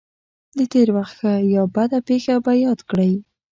د تېر وخت ښه یا بده پېښه په یاد کړئ.